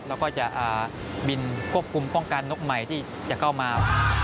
แล้วก็จะบินควบคุมป้องกันนกใหม่ที่จะเข้ามา